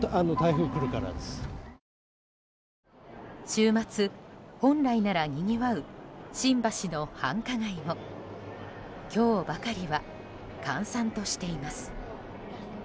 週末、本来ならにぎわう新橋の繁華街も今日ばかりは閑散としています。